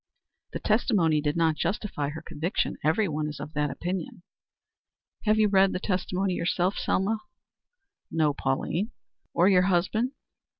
"The testimony did not justify her conviction. Every one is of that opinion." "Have you read the testimony yourself, Selma?" "No, Pauline." "Or your husband?"